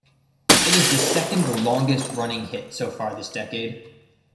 It is the second longest running hit so far this decade.